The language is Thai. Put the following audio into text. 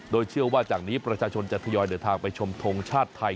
โดยเชื่อว่าจากนี้ประชาชนจะทยอยเดินทางไปชมทงชาติไทย